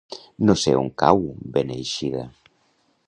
No sé on cau Beneixida.